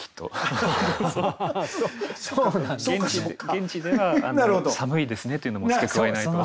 現地では「寒いですね」っていうのも付け加えないと。